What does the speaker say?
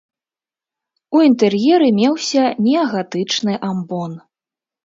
У інтэр'еры меўся неагатычны амбон.